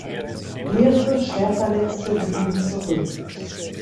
Mehrere Schwerverletzte blieben zurück.